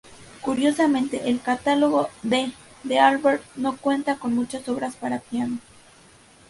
Curiosamente, el catálogo de D’Albert no cuenta con muchas obras para piano.